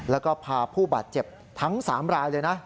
แล้วก็พาผู้บาดเจ็บทั้ง๓รายเลยนะ